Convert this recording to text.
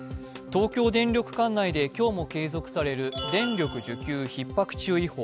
東京電力管内で今日も継続される電力需給ひっ迫注意報。